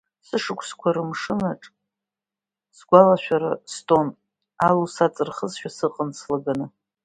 Сышықәсқәа рымшынаҿ, сгәалашәара стон, алу саҵырхызшәа сыҟан слаганы.